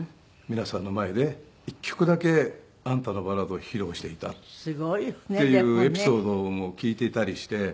皆さんの前で一曲だけ『あんたのバラード』を披露していたっていうエピソードも聞いていたりして。